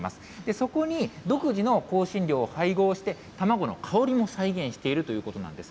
そこに独自の香辛料を配合して、卵の香りを再現しているということなんです。